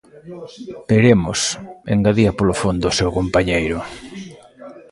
Veremos, engadía polo fondo o seu compañeiro.